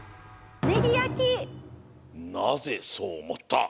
なぜそうおもった？